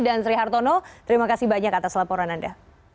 dan sri hartono terima kasih banyak atas laporan anda